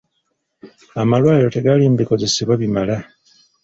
Amalwaliro tegaliimu bikozesebwa bimala.